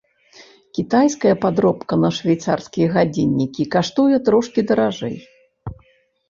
Кітайская падробка на швейцарскія гадзіннікі каштуе трошкі даражэй.